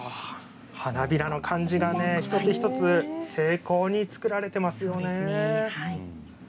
花びらの感じが一つ一つ精巧に作られていますね。